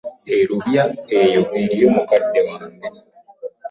E Lubya eyo eriyo mukadde wange.